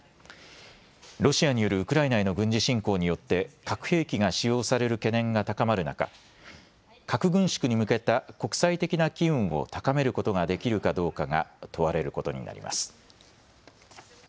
ロシアによるウクライナへの軍事侵攻によって核兵器が使用される懸念が高まる中、核軍縮に向けた国際的な機運を高めることができるかどうかが問われることになります。